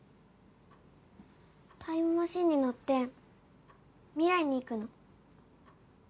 タイムマシンに乗って未来に行くの。